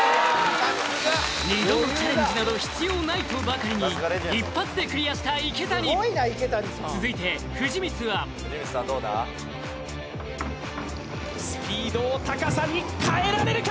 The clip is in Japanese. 二度のチャレンジなど必要ないとばかりに一発でクリアした池谷続いて藤光はスピードを高さに変えられるか？